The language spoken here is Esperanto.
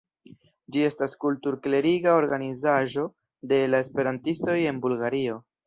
Ĝi estas kultur-kleriga organizaĵo de la esperantistoj en Bulgario.